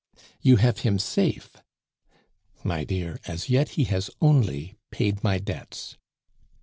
"You have him safe " "My dear, as yet he has only paid my debts."